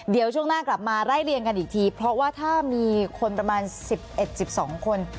เดี๋ยวช่วงหน้ากลับมาไล่เรียงกันอีกทีเพราะว่าถ้ามีคนประมาณ๑๑๑๒คน